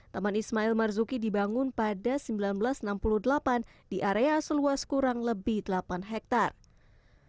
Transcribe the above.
taman ismail marzuki dibangun pada seribu sembilan ratus enam puluh delapan di area seluas kurang lebih delapan hektare